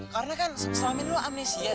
karena kan selamin lu amnesia